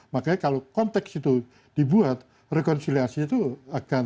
makanya kalau konteks itu dibuat rekonsiliasi itu akan